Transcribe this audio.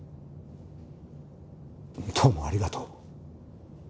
どうもありがとう。